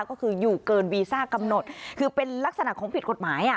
ก็คืออยู่เกินวีซ่ากำหนดคือเป็นลักษณะของผิดกฎหมายอ่ะ